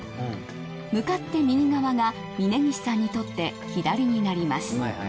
向かって右側が峯岸さんにとって左になります。